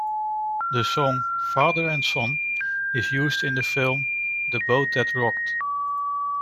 The song "Father and Son" is used in the film "The Boat that Rocked".